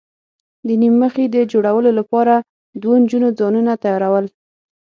د نیم مخي د جوړولو لپاره دوو نجونو ځانونه تیاراول.